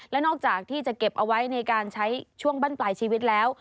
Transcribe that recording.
และนอกจากที่จะเก็บเอาไว้ในการใช้ช่วงบั้นปลายชีวิตแล้ว